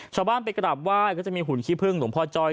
ชาวบ้านไปกราบไหว้ก็จะมีหุ่นขี้พึ่งหลวงพ่อจ้อย